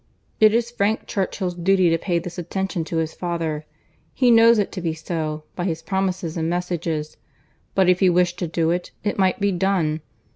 It is Frank Churchill's duty to pay this attention to his father. He knows it to be so, by his promises and messages; but if he wished to do it, it might be done.